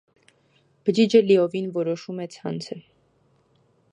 Բջիջը լիովին որոշում է ցանցը։